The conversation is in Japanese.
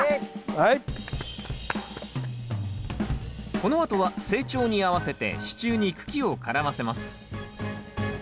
このあとは成長に合わせて支柱に茎を絡ませます。